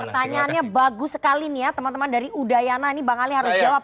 pertanyaannya bagus sekali nih ya teman teman dari udayana ini bang ali harus jawab